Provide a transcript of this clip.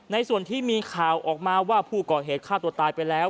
ส่วนที่มีข่าวออกมาว่าผู้ก่อเหตุฆ่าตัวตายไปแล้ว